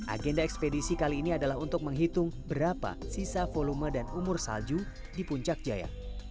agenda ekspedisi kali ini adalah untuk menghitung berapa sisa volume dan umur salju di puncak jaya